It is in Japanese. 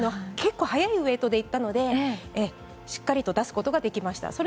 結構早いウェートでいったのでしっかりと出すことができました。